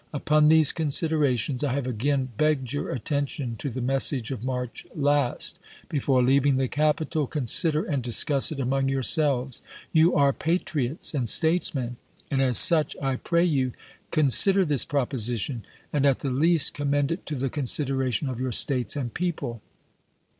Upon these considerations I have again begged your attention to the message of March last. Before leaving the capital, consider and discuss it among yourselves. You are patriots and statesmen, and as SIGNS OF THE TIMES 111 Corrected by auto graph M8. such I pray you consider this proposition ; and at the least chap. v. commend it to the consideration of your States and people.